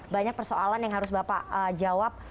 banyak persoalan yang harus bapak jawab